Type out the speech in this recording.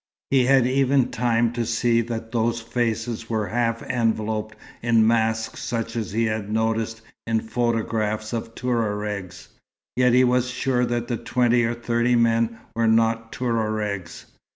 He had even time to see that those faces were half enveloped in masks such as he had noticed in photographs of Touaregs, yet he was sure that the twenty or thirty men were not Touaregs.